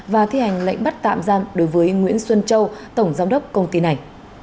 và thi hành lệnh bắt tạm giam đối với nguyễn xuân châu tổng giám đốc công ty này